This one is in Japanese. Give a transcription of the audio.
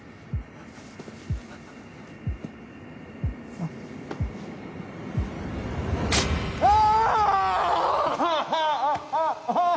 あっあぁ。